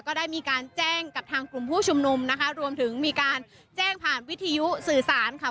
ก็ได้มีการแจ้งกับทางกลุ่มผู้ชุมนุมนะคะรวมถึงมีการแจ้งผ่านวิทยุสื่อสารค่ะ